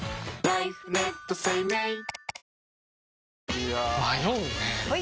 いや迷うねはい！